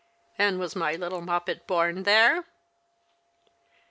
*' And was my little Moppet born there